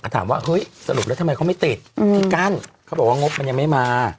ถามว่าเฮ้ยสรุปแล้วทำไมเขาไม่ติดที่กั้นเขาบอกว่างบมันยังไม่มา